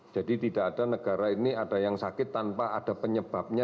jadi tidak ada negara ini ada yang sakit tanpa ada penyebabnya